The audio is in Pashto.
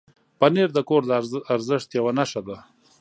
پنېر د کور د ارزښت یو نښه ده.